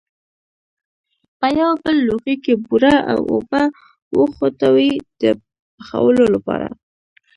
په یو بل لوښي کې بوره او اوبه وخوټوئ د پخولو لپاره.